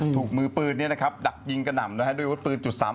ถูกมือปืนดักยิงกระหน่ำด้วยวุธปืน๓๘